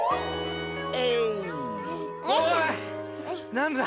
なんだ。